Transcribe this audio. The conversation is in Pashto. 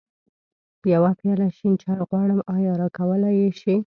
يوه پياله شين چای غواړم، ايا راکولی يې شې؟